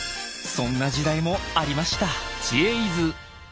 そんな時代もありました。